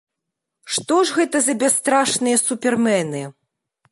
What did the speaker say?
Што ж гэта за бясстрашныя супермены?